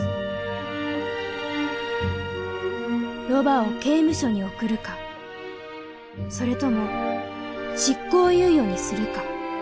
ロバを刑務所に送るかそれとも執行猶予にするか。